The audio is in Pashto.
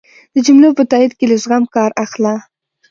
د جملو په تایېد کی له زغم کار اخله